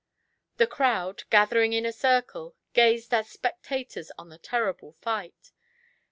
The crowd, gathering in a circle, gazed as spectators on the terrible fight.